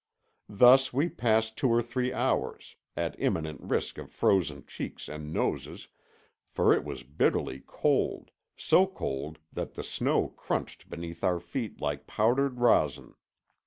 Thus we passed two or three hours, at imminent risk of frozen cheeks and noses, for it was bitterly cold, so cold that the snow crunched beneath our feet like powdered rosin.